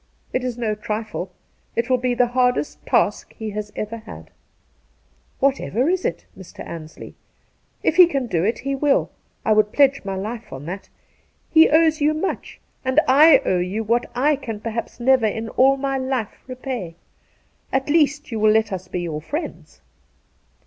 It is no trifle. It will be the hardest>task he has ever had.' ' Whatever it is, Mr. Ansley, if he can do it he will. I would pledge my life on that. He owes you much, and I owe you what I can perhaps Two Christmas Days 205 never in all my life repay. At least, you will let us be your friends.'